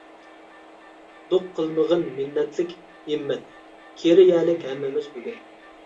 دوق قىلمىغىن مىننەتلىك «ھىممەت» ، كېرىيەلىك ھەممىمىز بۈگۈن!